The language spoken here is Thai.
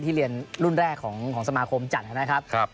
เรียนรุ่นแรกของสมาคมจัดนะครับ